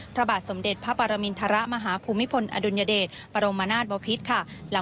พระบาทสมเด็จพระปรมินทรมาฮภูมิพลอดุลยเดชบรมนาศบพิษค่ะ